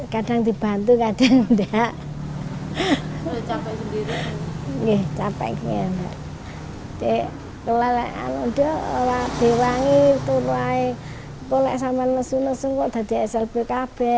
kadang dibantu kadang enggak